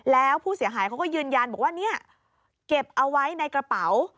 แล้วผู้เสียหายเขาก็ยืนยันบอกว่าเนี่ยเก็บเอาไว้ในกระเป๋า